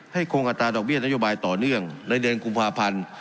คงอัตราดอกเบี้ยนโยบายต่อเนื่องในเดือนกุมภาพันธ์